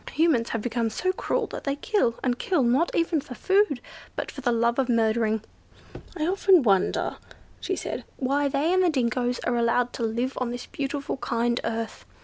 Humans have become so cruel that they kill, and kill, not even for food, but for the love of murdering. I often wonder," she said, "why they and the dingos are allowed to live on this beautiful kind earth.